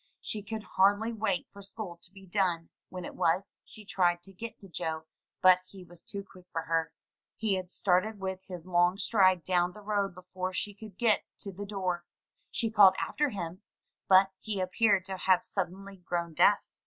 She could hardly wait for school to be done; when it was, she tried to get to Joe, but he was too quick for her. He had started 92 THROUGH FAIRY HALLS with his long stride down the road before she could get to the door. She called after him, but he appeared to have suddenly grown deaf.